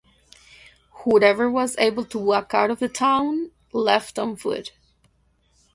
Whoever was able to walk out of the town, left on foot.